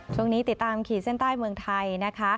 ติดตามขีดเส้นใต้เมืองไทยนะคะ